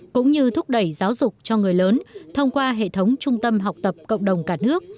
cũng như thúc đẩy giáo dục cho người lớn thông qua hệ thống trung tâm học tập cộng đồng cả nước